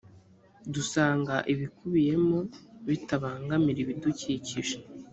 dusanga ibikubiyemo bitabangamira ibidukikije